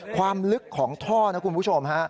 ความลึกของท่อนะครับคุณผู้ชม